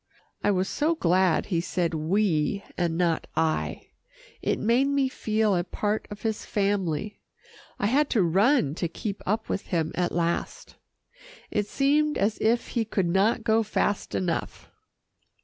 I was so glad he said "we" and not "I." It made me feel a part of his family. I had to run to keep up with him at last. It seemed as if he could not go fast enough.